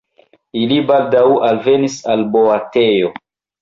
Ili baldaŭ alvenis al boatejo.